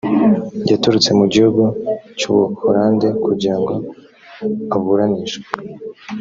yaturutse mu gihugu cy’ ubuholande kugira ngo aburanishwe.